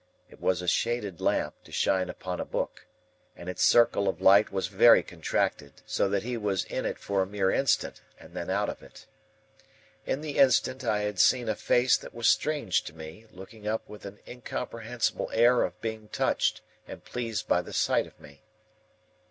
It was a shaded lamp, to shine upon a book, and its circle of light was very contracted; so that he was in it for a mere instant, and then out of it. In the instant, I had seen a face that was strange to me, looking up with an incomprehensible air of being touched and pleased by the sight of me.